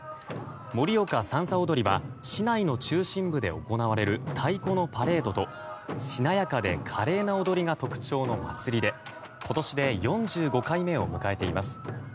盛岡さんさ踊りは市内の中心部で行われる太鼓のパレードと、しなやかで華麗な踊りが特徴の祭りで今年で４５回目を迎えています。